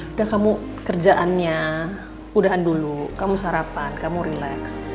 udah kamu kerjaannya udahan dulu kamu sarapan kamu relax